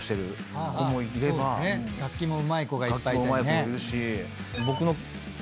楽器もうまい子がいっぱいいたりね。